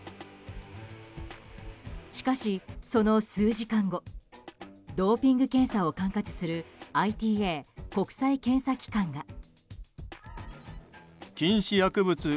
しかし、その数時間後ドーピング検査を管轄するＩＴＡ・国際検査機関が。